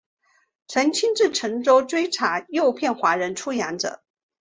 曾亲自乘舟追查诱骗华人出洋者。